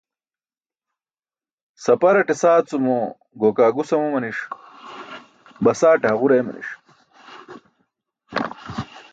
Saparate saacumo gokaa gus amumaniṣ, basaate haġur eemaniṣ.